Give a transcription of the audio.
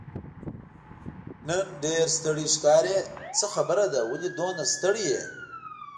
نن ډېر ستړی ښکارې، څه خبره ده، ولې دومره ستړی یې؟